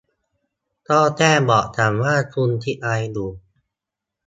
ก็แค่บอกฉันว่าคุณคิดอะไรอยู่